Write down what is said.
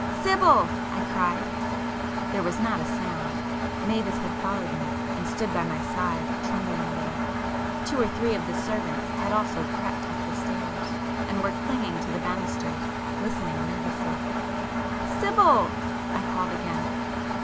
"Sibyl!" I cried. There was not a sound. Mavis had followed me, and stood by my side, trembling a little. Two or three of the servants [p 392] had also crept up the stairs, and were clinging to the banisters, listening nervously. "Sibyl!" I called again.